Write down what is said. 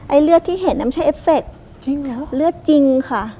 ไอ้เลือดที่เห็นนั้นมันใช่เอฟเฟคเลือดจริงค่ะ